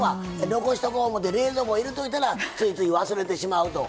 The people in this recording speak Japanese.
残しとこう思って冷蔵庫に入れて置いたらついいつい忘れてしまうと。